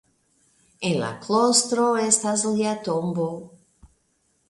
En la klostro estas lia tombo.